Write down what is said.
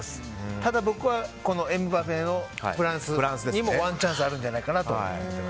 ただ僕はエムバペのフランスにもワンチャンスあるんじゃないかなと思います。